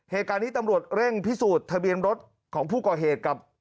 เหตุการณ์นี้ตำรวจเร่งพิสูจน์ทะเบียนรถของผู้ก่อเหตุกับ